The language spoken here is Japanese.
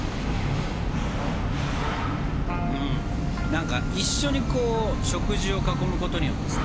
何か一緒に食事を囲むことによってさ